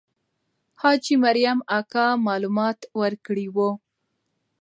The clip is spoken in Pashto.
حاجي مریم اکا معلومات ورکړي وو.